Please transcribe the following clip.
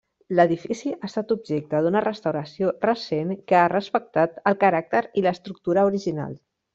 L'edifici ha estat objecte d'una restauració recent que ha respectat el caràcter i l'estructura original.